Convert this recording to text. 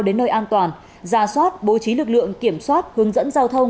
đến nơi an toàn giả soát bố trí lực lượng kiểm soát hướng dẫn giao thông